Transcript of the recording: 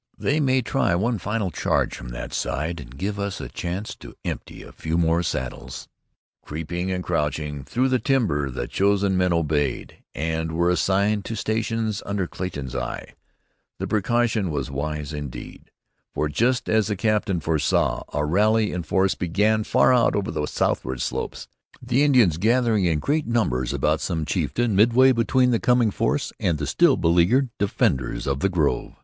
"They may try one final charge from that side, and give us a chance to empty a few more saddles." Creeping and crouching through the timber the chosen men obeyed, and were assigned to stations under Clayton's eye. The precaution was wise indeed, for, just as the captain foresaw, a rally in force began far out over the southward slopes, the Indians gathering in great numbers about some chieftain midway between the coming force and the still beleaguered defenders of the grove.